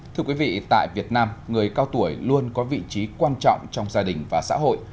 thưa quý vị tại việt nam người cao tuổi luôn có vị trí quan trọng trong gia đình và xã hội